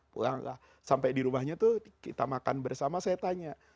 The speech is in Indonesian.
pulanglah sampai di rumahnya tuh kita makan bersama saya tanya